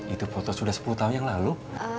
itu foto sudah sepuluh tahun yang lalu